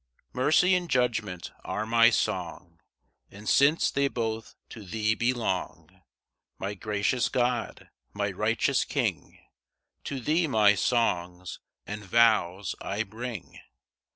1 Mercy and judgment are my song; And since they both to thee belong, My gracious God, my righteous King, To thee my songs and vows I bring.